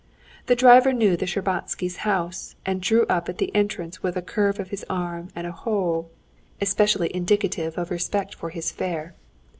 The driver knew the Shtcherbatskys' house, and drew up at the entrance with a curve of his arm and a "Wo!" especially indicative of respect for his fare.